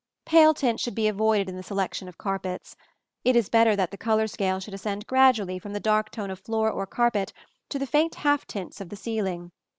Pale tints should be avoided in the selection of carpets. It is better that the color scale should ascend gradually from the dark tone of floor or carpet to the faint half tints of the ceiling.